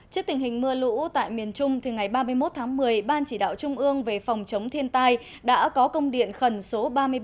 trước tình hình mưa lũ tại miền trung ngày ba mươi một tháng một mươi ban chỉ đạo trung ương về phòng chống thiên tai đã có công điện khẩn số ba mươi bảy